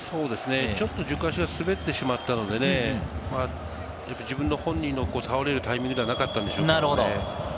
ちょっと軸足が滑ってしまったので、本人の倒れるタイミングではなかったんでしょうね。